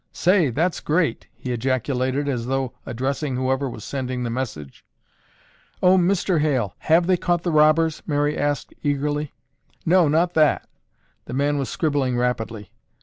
"Say, that's great!" he ejaculated as though addressing whoever was sending the message. "Oh, Mr. Hale, have they caught the robbers?" Mary asked eagerly. "No, not that." The man was scribbling rapidly.